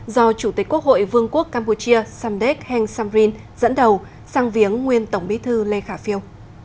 do chủ tịch quốc hội vương quốc campuchia samdek heng samrin dẫn đầu sang viếng nguyên tổng bí thư lê khả phiêu